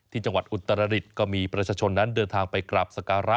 ที่จังหวัดอุตรรฤทธิ์ก็มีประชาชนนั้นเดินทางไปกราบศักราช